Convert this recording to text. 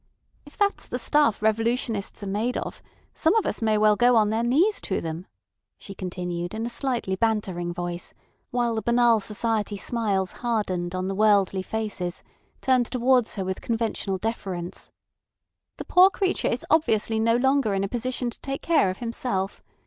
If that's the stuff revolutionists are made of some of us may well go on their knees to them," she continued in a slightly bantering voice, while the banal society smiles hardened on the worldly faces turned towards her with conventional deference. "The poor creature is obviously no longer in a position to take care of himself.